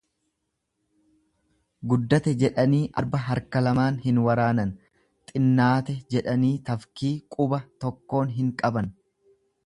Guddate jedhanii arba harka lamaan hin waraanan, xinnaate jedhanii tafkii quba tokkoon hin qaban.